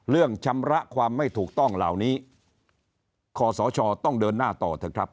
ชำระความไม่ถูกต้องเหล่านี้ขอสชต้องเดินหน้าต่อเถอะครับ